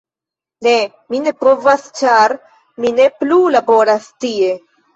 "Ne. Mi ne povas ĉar mi ne plu laboras tie.